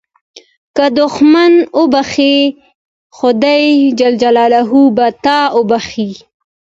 که دوښمن وبخښې، خدای جل جلاله به تا وبخښي.